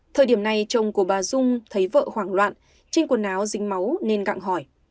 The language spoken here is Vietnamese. thời điểm này chồng của bà dung thấy vợ hoảng loạn trên quần áo dính máu nên gạng hỏi